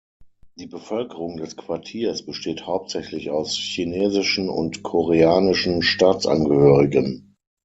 Die Bevölkerung des Quartiers besteht hauptsächlich aus chinesischen und koreanischen Staatsangehörigen.